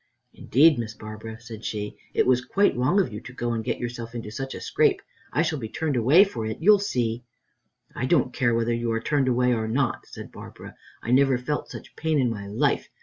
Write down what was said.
"Indeed, Miss Barbara," said she, "it was quite wrong of you to go and get yourself into such a scrape. I shall be turned away for it, you'll see." "I don't care whether you are turned away or not," said Barbara; "I never felt such pain in my life.